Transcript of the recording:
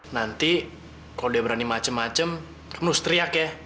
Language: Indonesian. nanti kalau dia berani macem macem terus teriak ya